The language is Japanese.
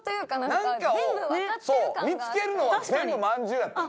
何かをそう見つけるのは全部まんじゅうやったのよ。